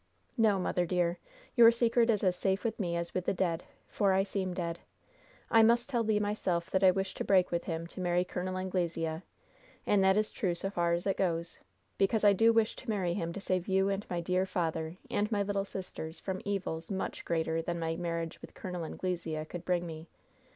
"No, mother, dear, your secret is as safe with me as with the dead; for I seem dead. I must tell Le myself that I wish to break with him to marry Col. Anglesea; and that is true so far as it goes, because I do wish to marry him to save you and my dear father and my little sisters from evils much greater than my marriage with Col. Anglesea could bring me.